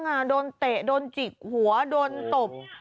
โดนอะไรบ้างโดนเตะโดนจิกโดนหัวโดนตบ